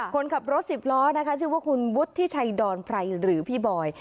คนขับรถสิบล้อนะคะชื่อว่าคุณวุฒิชัยดอนไพรหรือพี่บอย